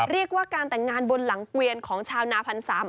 เรียกว่าการแต่งงานบนหลังเกวียนของชาวนาพันสาม